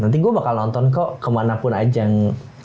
nanti gue bakal nonton kok kemanapun ajang